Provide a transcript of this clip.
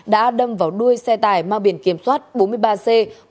đã đâm vào đuôi xe tải mang biển kiểm soát bốn mươi ba c một mươi một nghìn bảy trăm năm mươi bốn